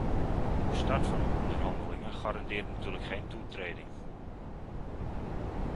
Start van de onderhandelingen garandeert natuurlijk geen toetreding.